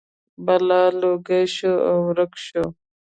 بلا لوګی شو او ورک شو.